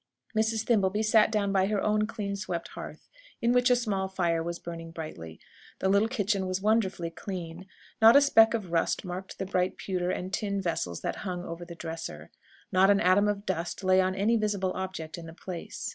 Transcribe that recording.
Mrs. Thimbleby sat down by her own clean swept hearth, in which a small fire was burning brightly. The little kitchen was wonderfully clean. Not a speck of rust marked the bright pewter and tin vessels that hung over the dresser. Not an atom of dust lay on any visible object in the place.